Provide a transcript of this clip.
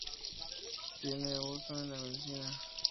Tiene uso en Medicina.